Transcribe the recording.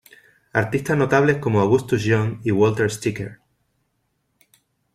Artistas notables como Augustus John y Walter Sickert.